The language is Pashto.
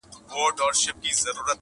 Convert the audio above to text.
خو دننه ماته ده.